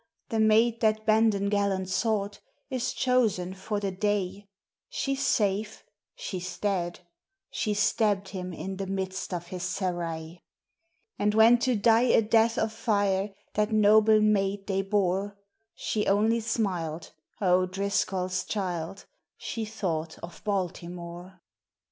The maid that Bandon gallant sought is chosen for the Dey, She 's safe, she 's dead, she stabbed him in the midst of his Serai; And when to die a death of fire that noble maid they bore, She only smiled, O'Driscoll's child, she thought of Baltimore.